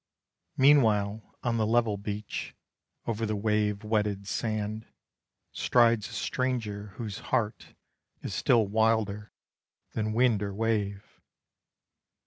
Meanwhile on the level beach, Over the wave wetted sand, Strides a stranger whose heart Is still wilder than wind or wave.